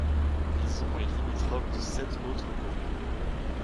Izon est limitrophe de sept autres communes.